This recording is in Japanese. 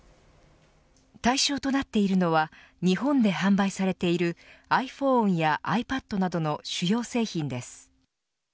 対象となっているのは日本で販売されているｉＰｈｏｎｅやｉＰａｄなどの主要製品です。